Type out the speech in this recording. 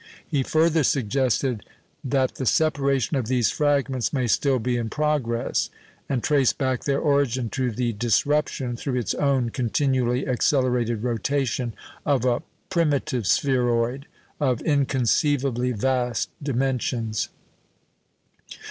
He further suggested "that the separation of these fragments may still be in progress," and traced back their origin to the disruption, through its own continually accelerated rotation, of a "primitive spheroid" of inconceivably vast dimensions.